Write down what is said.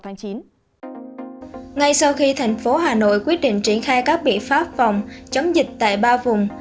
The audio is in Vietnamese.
ngay sau khi thành phố hà nội quyết định triển khai các biện pháp phòng chống dịch tại ba vùng